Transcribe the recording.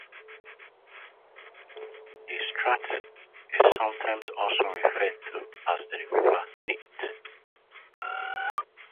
The Strat is sometimes also referred to as the River Neet.